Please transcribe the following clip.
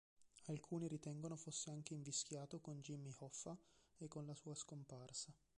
Alcuni ritengono fosse anche invischiato con Jimmy Hoffa e con la sua scomparsa.